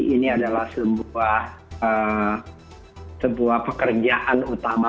ini adalah sebuah pekerjaan utama